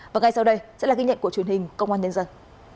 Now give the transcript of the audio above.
và ngay sau đây sẽ là ghi nhận của truyền hình công an nhân dân